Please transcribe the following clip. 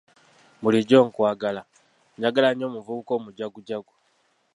Bulijjo nkwagala, njagala nnyo omuvubuka omujagujagu.